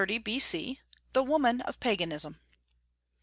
69 30 B.C. THE WOMAN OF PAGANISM.